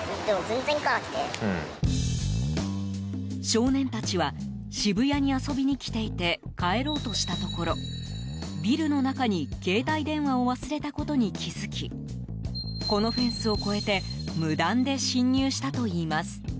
少年たちは渋谷に遊びに来ていて帰ろうとしたところビルの中に携帯電話を忘れたことに気づきこのフェンスを越えて無断で侵入したといいます。